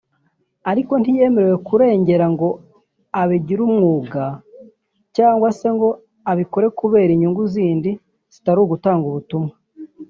Ariko ntiyemerewe kurengera ngo abigire umwuga cyangwa se ngo abikore kubera inyungu zindi zitari ugutanga ubutumwa